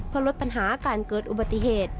เพื่อลดปัญหาการเกิดอุบัติเหตุ